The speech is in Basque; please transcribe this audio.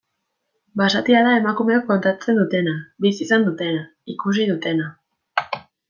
Basatia da emakumeok kontatzen dutena, bizi izan dutena, ikusi dutena.